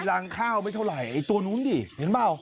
ร้างข้าวไม่เท่าไรไอ้ตัวนู้นดิเห็นมั้ย